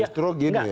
justru gitu ya